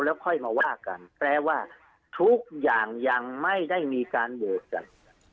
แล้วค่อยมาว่ากันแปลว่าทุกอย่างยังไม่ได้มีการโหวตกัน